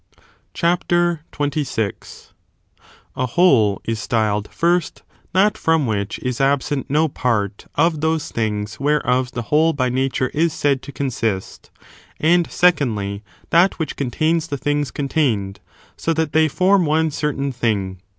CHAPTER XXVI. 1. Different A WHOLE is styled, first, that from which is ?l^*whoit^ absent no part of those things whereof the whole sxos, explain by nature is said to consist ; and secondly, that which contains the things contained,^ so that they form one certain thing.